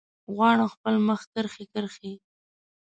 غواړم خپل مخ کرښې، کرښې